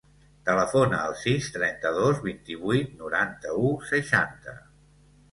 Telefona al sis, trenta-dos, vint-i-vuit, noranta-u, seixanta.